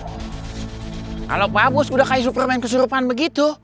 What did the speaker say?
kalau pabos udah kayak superman kesurupan begitu